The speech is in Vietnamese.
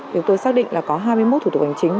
chúng tôi xác định là có hai mươi một thủ tục hành chính